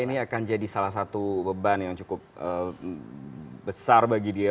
ini akan jadi salah satu beban yang cukup besar bagi dia